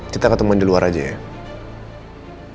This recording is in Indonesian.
kita ketemu di luar aja ya